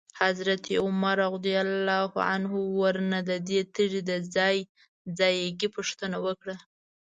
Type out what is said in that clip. حضرت عمر رضی الله عنه ورنه ددې تیږي د ځای ځایګي پوښتنه وکړه.